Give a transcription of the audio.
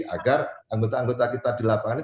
agar anggota anggota kita di lapangan